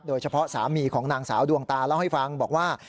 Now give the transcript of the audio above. สามีของนางสาวดวงตาเล่าให้ฟังบอกว่า